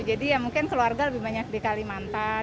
jadi ya mungkin keluarga lebih banyak di kalimantan